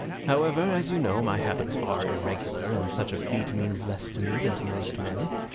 "However, as you know, my habits are irregular, and such a feat means less to me than to most men.